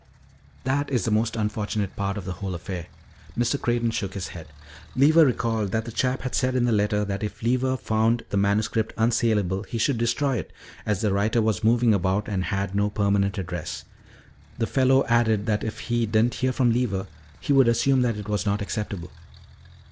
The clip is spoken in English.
"That is the most unfortunate part of the whole affair." Mr. Creighton shook his head. "Lever recalled that the chap had said in the letter that if Lever found the manuscript unsalable he should destroy it, as the writer was moving about and had no permanent address. The fellow added that if he didn't hear from Lever he would assume that it was not acceptable.